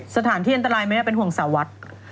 สถานที่อันตรายแม่เป็นห่วงสาววัด